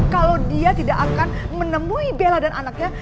kalau dia tidak akan menemui bella dan anaknya